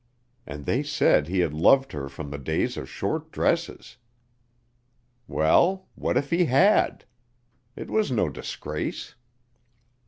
And they said he had loved her from the days of short dresses! Well, what if he had? It was no disgrace.